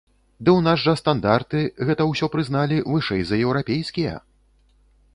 Ды ў нас жа стандарты, гэта ўсё прызналі, вышэй за еўрапейскія!